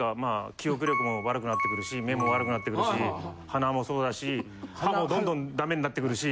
記憶力も悪くなってくるし目も悪くなってくるし鼻もそうだし歯もどんどんダメになってくるし。